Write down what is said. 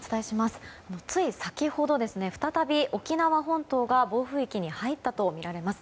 つい先ほど再び沖縄本島が暴風域に入ったとみられます。